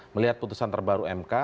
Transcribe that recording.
melihat putusan terbaru mk